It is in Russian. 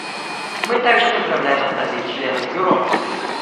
Мы также поздравляем остальных членов Бюро.